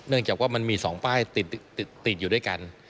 จากว่ามันมี๒ป้ายติดอยู่ด้วยกัน